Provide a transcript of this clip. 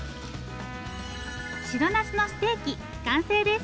白なすのステーキ完成です。